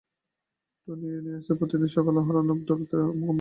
Tony Dias প্রতিদিন সকালে অহনার দৌড়াদৌড়িতে আমার ঘুম ভাঙে।